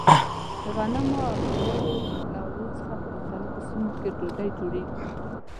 د غنمو او جوارو له اوړو څخه په مختلفو سیمو کې ډوډۍ جوړېږي.